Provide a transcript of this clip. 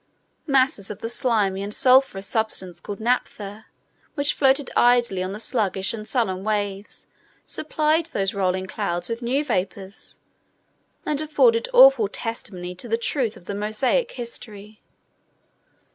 Masses of the slimy and sulphureous substance called naphtha, which floated idly on the sluggish and sullen waves, supplied those rolling clouds with new vapours, and afforded awful testimony to the truth of the Mosaic history.